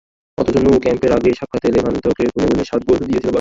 অথচ ন্যু ক্যাম্পে আগের সাক্ষাতে লেভান্তেকে গুনে গুনে সাত গোল দিয়েছিল বার্সা।